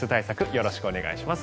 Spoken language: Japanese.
よろしくお願いします。